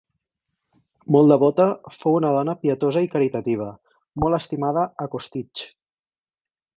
Molt devota, fou una dona pietosa i caritativa, molt estimada a Costitx.